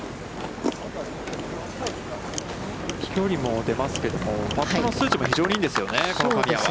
飛距離も出ますけれども、パットの数値も非常にいいんですよね、この神谷は。